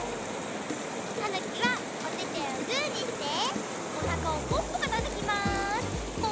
たぬきはおててをグーにしておなかをポンポコたたきます！